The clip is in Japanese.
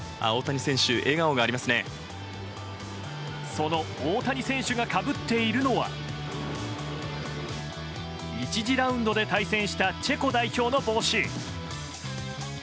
その大谷選手がかぶっているのは１次ラウンドで対戦したチェコ代表の帽子。